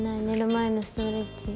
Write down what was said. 前のストレッチ。